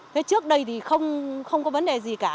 thế trước đây thì không có vấn đề gì cả